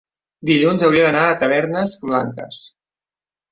Dilluns hauria d'anar a Tavernes Blanques.